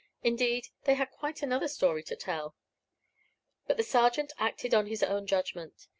Indeed, they had quite another story to tell. But the sergeant acted on his own judgment.